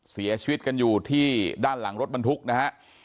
เสียชีวิตกันอยู่ที่ด้านหลังรถบรรทุกนะฮะ